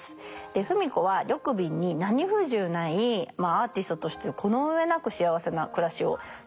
芙美子は緑敏に何不自由ないアーティストとしてこの上なく幸せな暮らしをさせたのではないでしょうか。